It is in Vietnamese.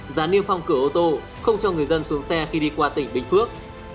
giá niêm phong cửa ô tô không cho người dân xuống xe khi đi qua tỉnh bình phước